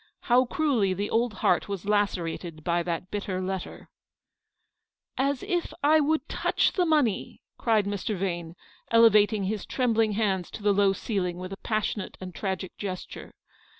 How cruelly the old heart was lacerated by that bitter letter !" As if I would touch the money," cried Mr. Vane, elevating his trembling hands to the low ceiling with a passionate and tragic gesture.